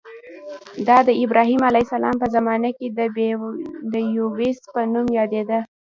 دا د ابراهیم علیه السلام په زمانه کې د یبوس په نوم یادېده.